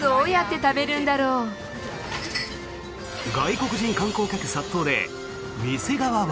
外国人観光客殺到で店側は。